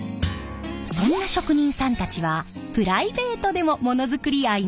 そんな職人さんたちはプライベートでもモノづくり愛にあふれているようで。